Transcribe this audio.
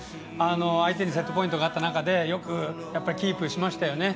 相手にセットポイントがあった中でよくキープしましたよね。